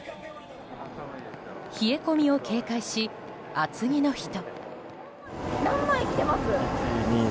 冷え込みを警戒し、厚着の人。